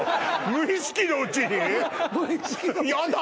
無意識のうちにやだ